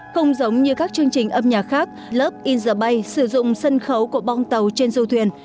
không giống như các chương trình âm nhạc khác lớp in giờ bay sử dụng sân khấu của bong tàu trên du thuyền